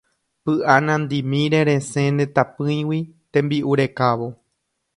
Py'a nandimíre resẽ ne tapỹigui tembi'u rekávo.